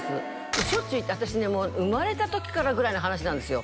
もうしょっちゅう行って私ね生まれた時からぐらいの話なんですよ